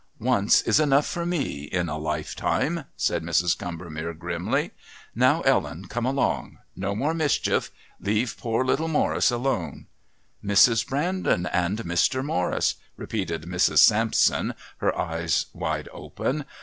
"Once is enough for me in a life time," said Mrs. Combermere grimly. "Now, Ellen, come along. No more mischief. Leave poor little Morris alone." "Mrs. Brandon and Mr. Morris!" repeated Mrs. Sampson, her eyes wide open.